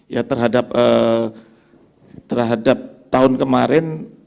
ya terhadap tahun kemarin